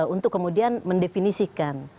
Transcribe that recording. untuk kemudian mendefinisikan